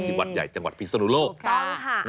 ที่วัดใหญ่จังหวัดพิษนุโลกครับ